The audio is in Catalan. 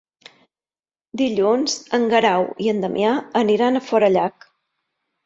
Dilluns en Guerau i en Damià aniran a Forallac.